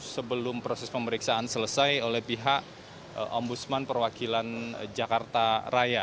sebelum proses pemeriksaan selesai oleh pihak ombudsman perwakilan jakarta raya